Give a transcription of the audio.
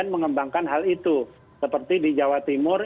begitu seperti di jawa timur